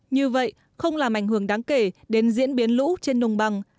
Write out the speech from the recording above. như vậy không làm ảnh hưởng đáng kể đến diễn biến lũ trên đồng bằng